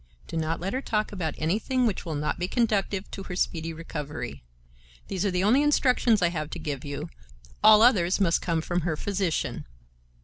Do not let her talk about anything which will not be conducive to her speedy recovery. These are the only instructions I have to give you; all others must come from her physician."